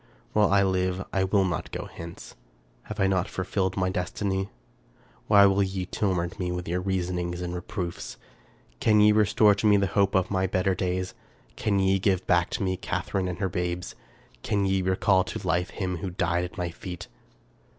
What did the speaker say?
While I live I will not go hence. Have I not fulfilled my destiny? Why will ye torment me with your reasonings and re proofs ? Can ye restore to me the hope of my better days ? Can ye give me back Catharine and her babes? Can ye recall to life him who died at my feet?